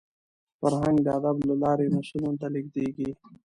فرهنګ د ادب له لاري نسلونو ته لېږدېږي.